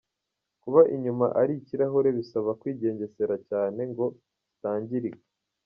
Kuba inyuma ari ikirahure bisaba kwigengesera cyane ngo kitangirika.